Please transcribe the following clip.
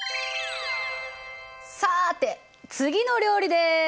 さて次の料理です！